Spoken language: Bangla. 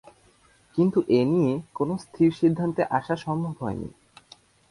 কিন্তু এ নিয়ে কোন স্থির সিদ্ধান্তে আসা সম্ভব হয়নি।